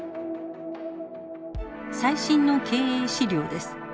最新の経営資料です。